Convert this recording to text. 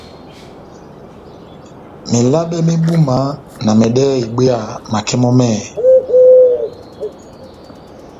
Melabɛ mé búma na mɛdɛ́hɛ́ ibwéya makɛ mɔ́ mɛ́hɛ́pi.